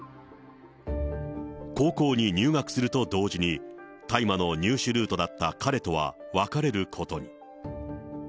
高校に入学すると同時に、大麻の入手ルートだった彼とは別れることに。